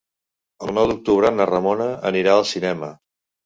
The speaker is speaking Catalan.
El nou d'octubre na Ramona anirà al cinema.